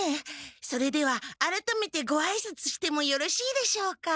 それではあらためてごあいさつしてもよろしいでしょうか？